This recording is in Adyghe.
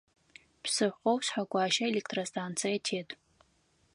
Псыхъоу Шъхьэгуащэ электростанцие тет.